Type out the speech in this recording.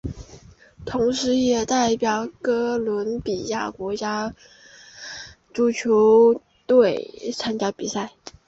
同时也代表哥伦比亚国家足球队参加比赛。